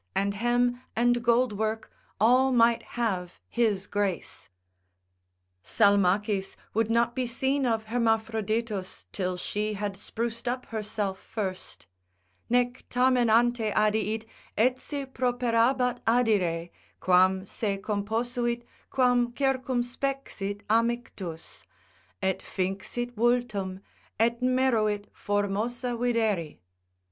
And hem, and gold work, all might have his grace. Salmacis would not be seen of Hermaphroditus, till she had spruced up herself first, Nec tamen ante adiit, etsi properabat adire, Quam se composuit, quam circumspexit amictus, Et finxit vultum, et meruit formosa videri.